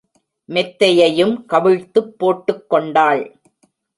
மெத்தையையும் கவிழ்த்துப் போட்டுக் கொண்டாள்.